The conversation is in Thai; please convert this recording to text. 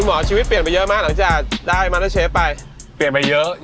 หมอชีวิตเปลี่ยนไปเยอะมากหลังจากได้มอเตอร์เชฟไปเปลี่ยนไปเยอะ